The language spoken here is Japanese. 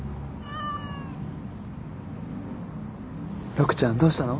陸ちゃんどうしたの？